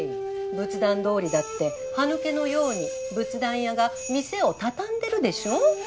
仏壇通りだって歯抜けのように仏壇屋が店を畳んでるでしょ？